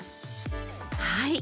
はい。